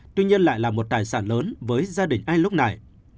tuy nhiên lại là một tài sản lớn với gia đình ai lúc này